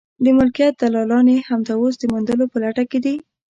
د ملکیت دلالان یې همدا اوس د موندلو په لټه کې دي.